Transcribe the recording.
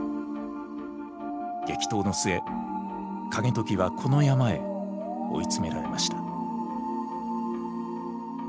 激闘の末景時はこの山へ追い詰められました。